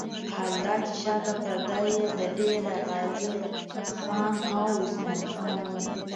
حال دا چې شاته پرده یې د ډېره غازي خان او اسماعیل خان وه.